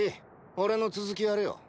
俺の続きやれよ。